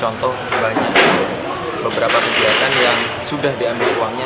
contoh banyak beberapa kegiatan yang sudah diambil uangnya